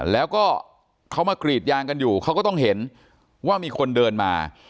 แล้วก็เขามากรีดยางกันอยู่เขาก็ต้องเห็นว่ามีคนเดินมา